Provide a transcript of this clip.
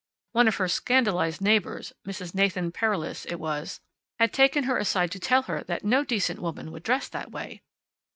One of her scandalized neighbors (Mrs. Nathan Pereles, it was) had taken her aside to tell her that no decent woman would dress that way.